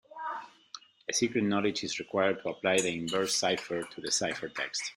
A secret knowledge is required to apply the inverse cipher to the ciphertext.